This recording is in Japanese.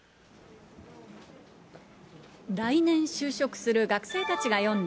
来年就職する学生たちが詠んだ